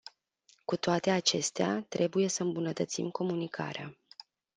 Cu toate acestea, trebuie să îmbunătățim comunicarea.